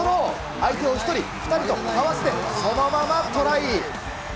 相手を１人、２人とかわしてそのままトライ。